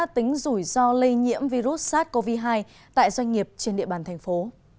tính rủi ro lây nhiễm virus sars cov hai tại doanh nghiệp trên địa bàn thành phố